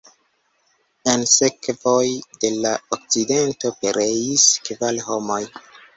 En sekvoj de la akcidento pereis kvar homoj.